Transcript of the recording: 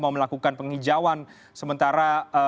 mau melakukan penghijauan sementara